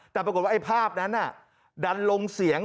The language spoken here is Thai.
แต่ปรากฏว่าไอ้ภาพนั้นดันลงเสียง